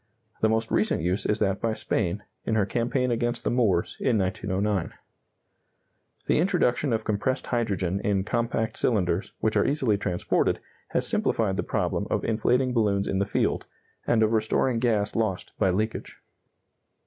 The most recent use is that by Spain, in her campaign against the Moors, in 1909. The introduction of compressed hydrogen in compact cylinders, which are easily transported, has simplified the problem of inflating balloons in the field, and of restoring gas lost by leakage.